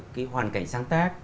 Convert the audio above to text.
cái hoàn cảnh sáng tác